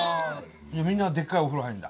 みんなでっかいお風呂入るんだ。